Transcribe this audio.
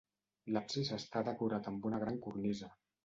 L'absis està decorat amb una gran cornisa.